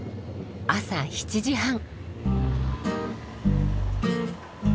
朝７時半。